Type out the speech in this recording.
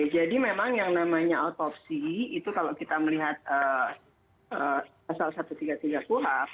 jadi memang yang namanya otopsi itu kalau kita melihat asal satu ratus tiga puluh tiga puhak